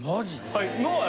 はい。